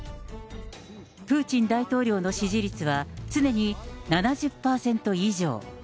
プーチン大統領の支持率は、常に７０％以上。